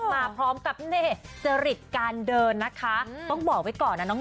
มาพร้อมกับนี่จริตการเดินนะคะต้องบอกไว้ก่อนนะน้อง